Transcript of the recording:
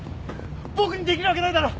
僕にできるわけないだろ！